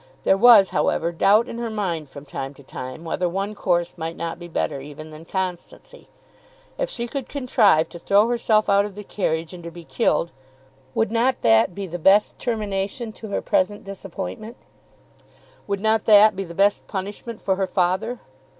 There was, however, doubt on her mind from time to time, whether one course might not be better even than constancy. If she could contrive to throw herself out of the carriage and to be killed, would not that be the best termination to her present disappointment? Would not that be the best punishment for her father?